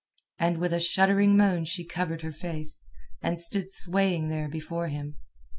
And with a shuddering moan she covered her face, and stood swaying there before him.